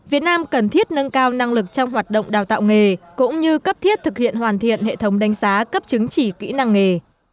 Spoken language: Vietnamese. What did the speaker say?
việt nam cần thiết nâng cao năng lực trong hoạt động đào tạo nghề cũng như cấp thiết thực hiện hoàn thiện hệ thống đánh giá cấp chứng chỉ kỹ năng nghề